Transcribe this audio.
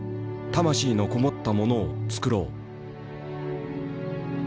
魂のこもったものを作ろう」。